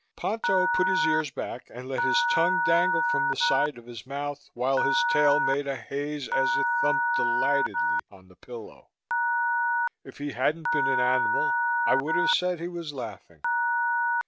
Ponto put his ears back and let his tongue dangle from the side of his mouth, while his tail made a haze as it thumped delightedly on the pillow. If he hadn't been an animal, I would have said he was laughing.